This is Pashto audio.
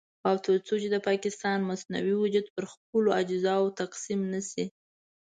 او تر څو چې د پاکستان مصنوعي وجود پر خپلو اجزاوو تقسيم نه شي.